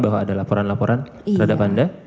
bahwa ada laporan laporan terhadap anda